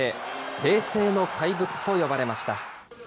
平成の怪物と呼ばれました。